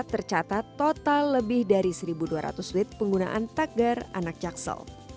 tercatat total lebih dari satu dua ratus feet penggunaan tagar anak jaksel